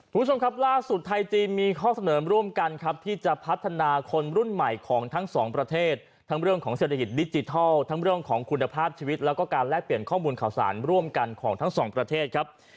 คุณผู้ชมครับล่าสุดไทยจีนมีข้อเสนอร่วมกันครับที่จะพัฒนาคนรุ่นใหม่ของทั้งสองประเทศทั้งเรื่องของเศรษฐกิจดิจิทัลทั้งเรื่องของคุณภาพชีวิตแล้วก็การแลกเปลี่ยนข้อมูลข่าวสารร่วมกันของทั้งสองประเทศครับ